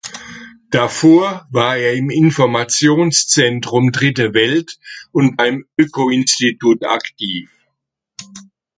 Davor war er im Informationszentrum Dritte Welt und beim Öko-Institut aktiv.